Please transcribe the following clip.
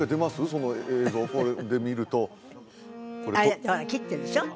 その映像これで見るとあれほら切ってるでしょ？